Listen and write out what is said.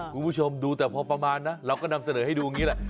คุณผู้ชมดูแต่พอประมาณนะเราก็นำเสนอให้ดูอย่างนี้แหละ